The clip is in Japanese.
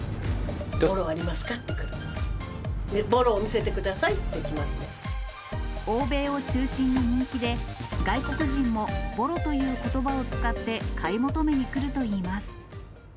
ボロありますかって、欧米を中心に人気で、外国人もボロということばを使って買い求めに来るといいます。